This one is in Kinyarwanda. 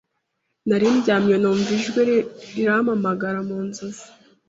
nari ndyamye, numva ijwi rirampagara mu nzozi